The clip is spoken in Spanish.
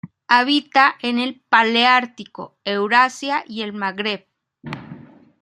Habita en el paleártico: Eurasia y el Magreb.